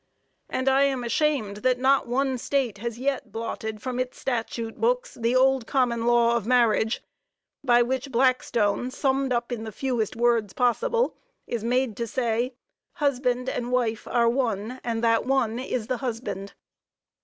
And I am ashamed that not one State has yet blotted from its statute books the old common law of marriage, by which Blackstone, summed up in the fewest words possible, is made to say, "husband and wife are one, and that one is the husband."